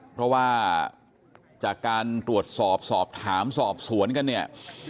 เพราะว่าจากการตรวจสอบสอบถามสอบสวนกันเนี่ย